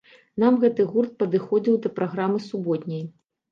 Нам гэты гурт падыходзіў да праграмы суботняй.